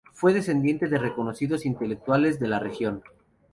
Fue descendiente de reconocidos intelectuales de la región.